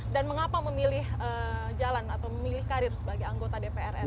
dan mengapa memilih jalan atau memilih karir sebagai anggota dpr ini